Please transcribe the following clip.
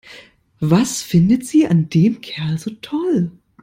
Was findet sie an dem Kerl so toll?